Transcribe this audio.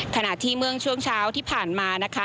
ขณะที่เมื่อช่วงเช้าที่ผ่านมานะคะ